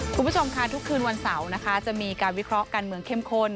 คุณผู้ชมค่ะทุกคืนวันเสาร์นะคะจะมีการวิเคราะห์การเมืองเข้มข้น